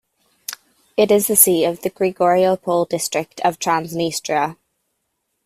It is the seat of the Grigoriopol District of Transnistria.